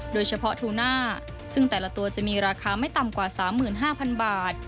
โดยเฉพาะทูน่าซึ่งแต่ละตัวจะมีราคาไม่ต่ำกว่าสามหมื่นห้าพันบาท